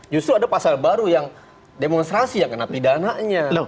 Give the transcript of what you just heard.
justru ada pasal baru yang demonstrasi yang kena pidananya